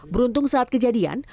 beruntung saat kejadian